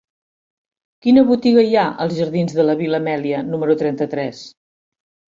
Quina botiga hi ha als jardins de la Vil·la Amèlia número trenta-tres?